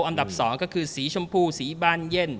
อำดับสองก็คือสีชมพูสีบานเย่น